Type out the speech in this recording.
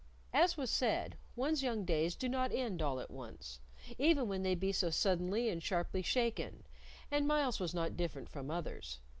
As was said, one's young days do not end all at once, even when they be so suddenly and sharply shaken, and Myles was not different from others.